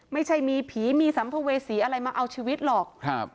ไม่ใช่มีผีมีสัมภเวษีอะไรมาเอาชีวิตหรอกครับ